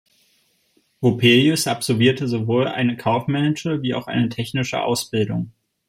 Vopelius absolvierte sowohl eine kaufmännische wie auch technische Ausbildung.